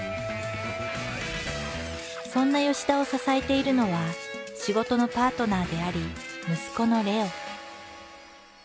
そんな田を支えているのは仕事のパートナーであり息子の玲雄。